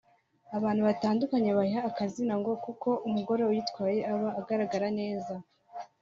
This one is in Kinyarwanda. abantu batandukanye bayihaye aka kazina ngo kuko umugore uyitwaye aba agaragara neza